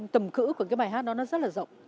tầm cỡ của cái bài hát đó nó rất là rộng